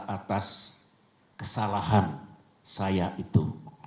atas kesalahan saya itu